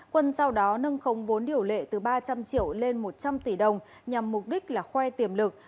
quân sau đó nâng không vốn điều lệ từ ba trăm linh triệu lên một trăm linh tỷ đồng nhằm mục đích là khoe tiềm lực